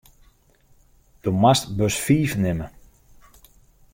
Do moatst bus fiif nimme.